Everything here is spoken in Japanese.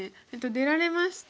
出られまして。